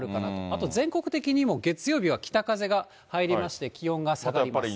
あと全国的にも月曜日は北風が入りまして、気温が下がります。